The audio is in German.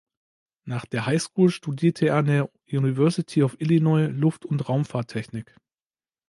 Nach der High School studierte er an der University of Illinois Luft- und Raumfahrttechnik.